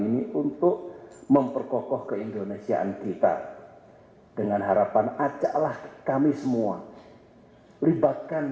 ini untuk memperkokoh keindonesiaan kita dengan harapan ajaklah kami semua libatkan